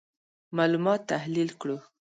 معلومات تحلیل کړو.